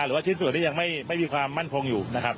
หรือว่าชิ้นส่วนที่ยังไม่มีความมั่นคงอยู่นะครับ